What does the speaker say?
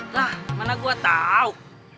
lah mana gue tau